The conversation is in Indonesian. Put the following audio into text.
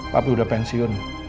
papi udah pensiun